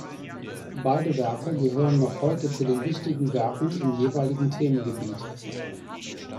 Beide Werke gehören noch heute zu den wichtigen Werken im jeweiligen Themengebiet.